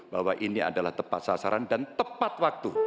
bahwa ini adalah tepat sasaran dan tepat waktu